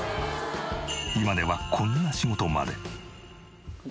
今ではこんな仕事まで。